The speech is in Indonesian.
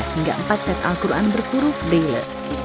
tiga hingga empat set al quran berkuruf brele